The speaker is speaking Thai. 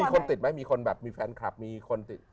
คนติดไหมมีคนแบบมีแฟนคลับมีคนติด